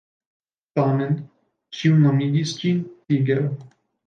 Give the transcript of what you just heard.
Tamen ĉiu nomigis ĝin Tiger.